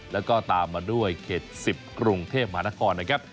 แล้วก็ตามมาด้วยเขต๑๐กรุงเทพมหานครนะครับ